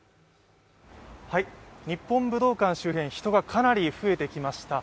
日本武道館周辺、人がかなり増えてきました。